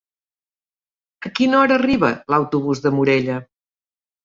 A quina hora arriba l'autobús de Morella?